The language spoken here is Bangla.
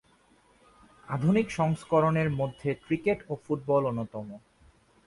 আধুনিক সংস্করণের মধ্যে ক্রিকেট ও ফুটবল অন্যতম।